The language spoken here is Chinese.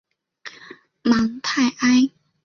芒泰埃。